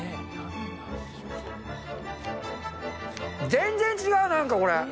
全然違う、なんかこれ！